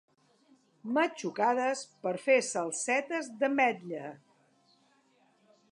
Matxucades per fer salsetes d'ametlla.